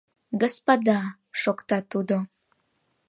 Господа! — шокта тудо.